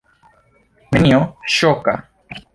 Nenio ŝoka.